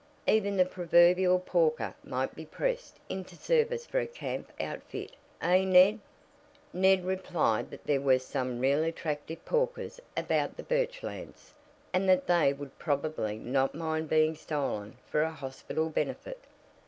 "Even the proverbial porker might be pressed into service for a camp outfit, eh, Ned?" Ned replied that there were some real attractive porkers about the Birchlands, and that they would probably not mind being stolen for a hospital benefit.